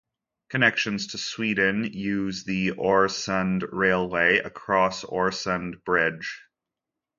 Connections to Sweden use the Oresund Railway across Oresund Bridge.